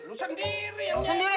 lu sendiri yang jadi